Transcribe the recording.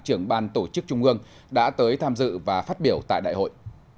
trưởng ban tổ chức trung ương đã tới tham dự và phát biểu tại đại hội